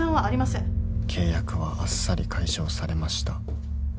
［契約はあっさり解消されました］